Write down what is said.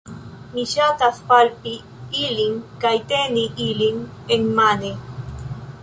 Mi ŝatas palpi ilin kaj teni ilin enmane